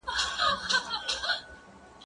کېدای سي قلم خراب وي!؟